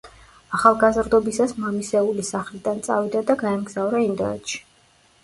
ახალგაზრდობისას მამისეული სახლიდან წავიდა და გაემგზავრა ინდოეთში.